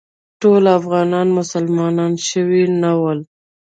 ټول افغانان مسلمانان شوي نه ول.